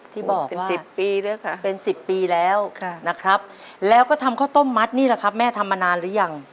ที่บอกเป็น๑๐ปีแล้วค่ะเป็น๑๐ปีแล้วนะครับแล้วก็ทำข้าวต้มมัดนี่แหละครับแม่ทำมานานหรือยัง